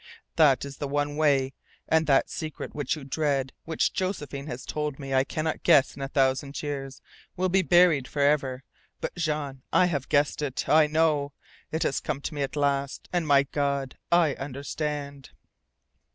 That is the one way. And that secret which you dread, which Josephine has told me I could not guess in a thousand years, will be buried forever. But Jean I HAVE GUESSED IT. I KNOW! It has come to me at last, and my God! I understand!"